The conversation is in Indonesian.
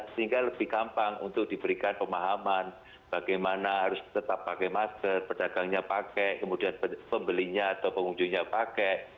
sehingga lebih gampang untuk diberikan pemahaman bagaimana harus tetap pakai masker pedagangnya pakai kemudian pembelinya atau pengunjungnya pakai